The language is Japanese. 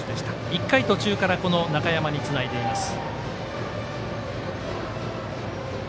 １回途中から中山につないでいます。